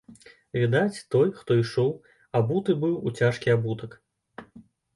Відаць, той, хто ішоў, абуты быў у цяжкі абутак.